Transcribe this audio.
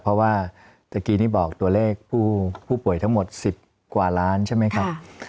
เพราะว่าตะกี้นี่บอกตัวเลขผู้ป่วยทั้งหมด๑๐กว่าล้านใช่ไหมครับ